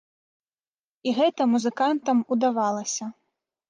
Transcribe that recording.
І гэта музыкантам удавалася.